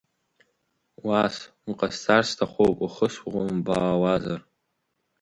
Уас уҟасҵарц сҭахуп, ухы схумбаауазар!